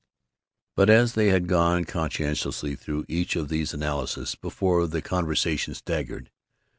But as they had gone conscientiously through each of these analyses before, the conversation staggered.